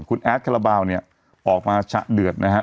คุณแอดคาราบาลเนี่ยออกมาฉะเดือดนะฮะ